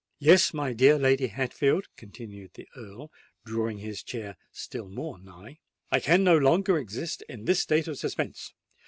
"Yes, my dear Lady Hatfield," continued the Earl, drawing his chair still more nigh,—"I can no longer exist in this state of suspense.